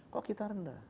kok kita rendah